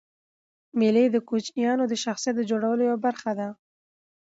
مېلې د کوچنيانو د شخصیت د جوړولو یوه برخه ده.